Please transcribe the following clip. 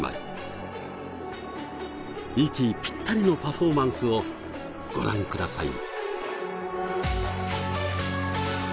息ピッタリのパフォーマンスをご覧ください。